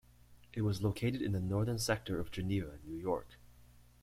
It was located in the northern sector of Geneva, New York.